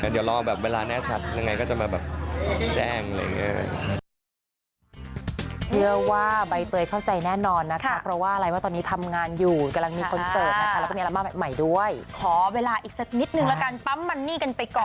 เดี๋ยวรอแบบเวลาแน่ชัดยังไงก็จะมาแบบแจ้งอะไรอย่างนี้